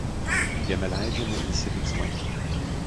Jame leidžiami visi veiksmai.